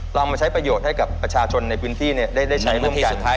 เรามาใช้ประโยชน์ให้กับประชาชนในพื้นที่ได้ใช้ร่วมกัน